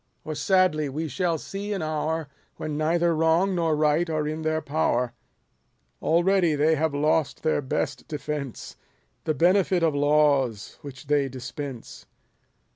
or sadly we shall see an hour, 137 When neither wrong nor right are in their power ! Already they have lost their best defence — The benefit of laws which they dispense.